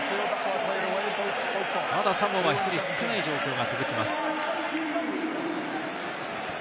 まだサモアは１人少ない状況が続きます。